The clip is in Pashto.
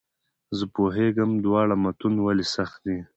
زه پوهېږم دواړه متون ولې سخت دي.